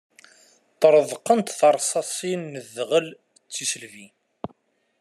Ṭtreḍqent tersasin n ddɣel d tisselbi.